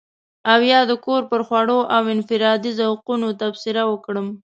او يا د کور پر خوړو او انفرادي ذوقونو تبصره وکړم.